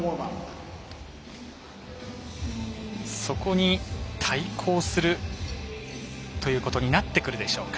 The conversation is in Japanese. そこに対抗するということになってくるでしょうか。